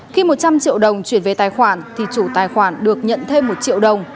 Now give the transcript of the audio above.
khi một trăm linh triệu đồng chuyển về tài khoản thì chủ tài khoản được nhận thêm một triệu đồng